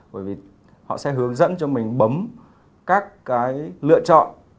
bởi vì họ sẽ hướng dẫn cho mình bấm các cái lựa chọn